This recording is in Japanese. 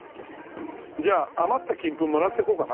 じゃあ余った金粉もらっていこうかな。